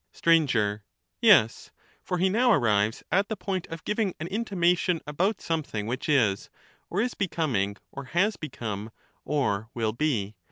Str, Yes, for he now arrives at the point of giving an intimation about something which is, or is becoming, or has become, or will be.